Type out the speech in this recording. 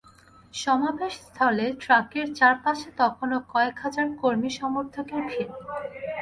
সমাবেশস্থলে ট্রাকের চারপাশে তখনো কয়েক হাজার কর্মী সমর্থকের ভিড়।